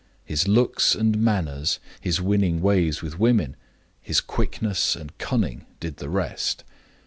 His looks and manners, his winning ways with women, his quickness and cunning, did the rest.